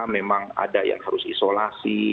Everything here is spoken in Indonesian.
memang ada yang harus isolasi